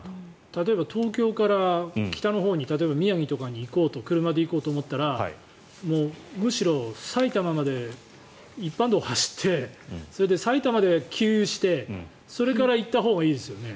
例えば東京から北のほうに宮城とかに車で行こうと思ったらむしろ埼玉まで一般道を走ってそれで埼玉で給油して、それから行ったほうがいいですよね。